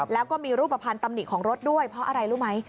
แล้วก็มีรูปภัณฑ์ตำหนิของรถด้วยเพราะอะไรรู้ไหม